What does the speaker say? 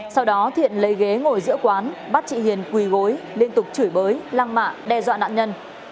sau đó thiện lấy ghế ngồi giữa quán bắt chị hiền quỳ gối liên tục chửi bới lăng mạ đe dọa nạn nhân